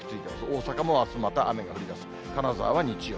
大阪もあす、また雨が降りだす、金沢は日曜。